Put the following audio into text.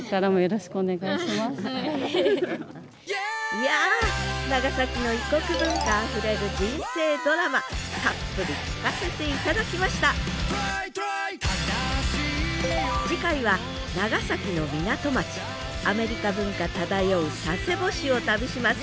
いや長崎の異国文化あふれる人生ドラマたっぷり聞かせて頂きました次回は長崎の港町アメリカ文化漂う佐世保市を旅します。